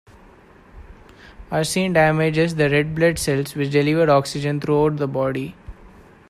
Arsine damages the red blood cells which deliver oxygen throughout the body.